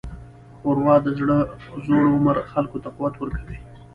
ښوروا د زوړ عمر خلکو ته قوت ورکوي.